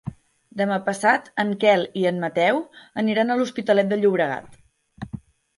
Demà passat en Quel i en Mateu aniran a l'Hospitalet de Llobregat.